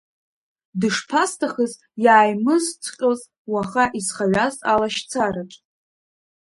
Дышԥасҭахыз иааимызцҟьоз, уаха исхаҩаз алашьцараҿ.